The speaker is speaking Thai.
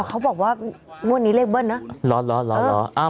เขาบอกว่าวันนี้เลขเบิ้ลนะ